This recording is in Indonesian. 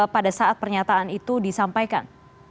pada saat pernyataan itu disampaikan